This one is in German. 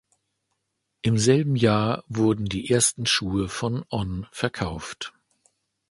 Im selben Jahr wurden die ersten Schuhe von On verkauft.